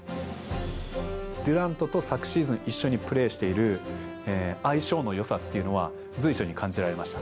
デュラントと昨シーズン一緒にプレーしている相性のよさっていうのは、随所に感じられました。